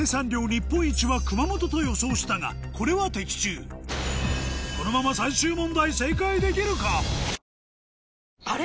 日本一は熊本と予想したがこれは的中このまま最終問題あれ？